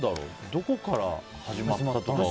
どこから始まったとか。